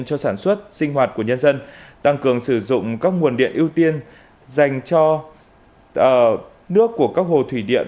cho sản xuất sinh hoạt của nhân dân tăng cường sử dụng các nguồn điện ưu tiên dành cho nước của các hồ thủy điện